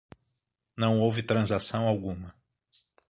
Não houve transação alguma.